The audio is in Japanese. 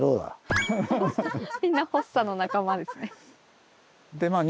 みんなフォッサの仲間ですね。